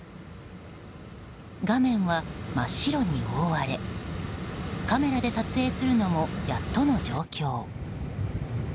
画面は真っ白に覆われカメラで撮影するのもやっとの状況。